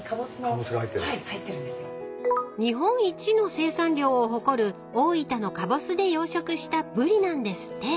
［日本一の生産量を誇る大分のカボスで養殖したブリなんですって］